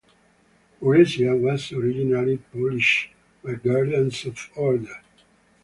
"Uresia" was originally published by Guardians of Order.